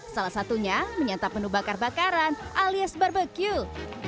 salah satunya menyantap menu bakar bakaran alias barbecue